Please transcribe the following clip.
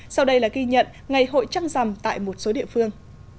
sau đây là ghi nhận ngày hội trăng rằm tại một số địa phương